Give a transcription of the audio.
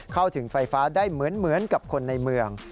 เข้าถึงไฟฟ้าได้เหมือนกับคนในเมือง